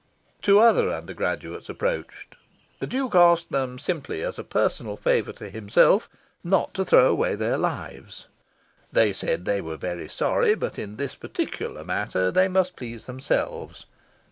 Two other undergraduates approached. The Duke asked them simply as a personal favour to himself not to throw away their lives. They said they were very sorry, but in this particular matter they must please themselves.